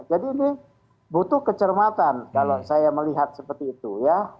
jadi ini butuh kecermatan kalau saya melihat seperti itu ya